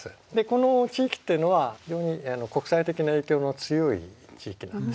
この地域っていうのは非常に国際的な影響の強い地域なんですね。